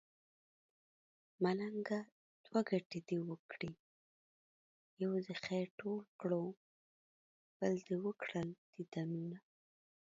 ملنګه دوه ګټې دې وکړې يو دې خير ټول کړو بل دې وکړل ديدنونه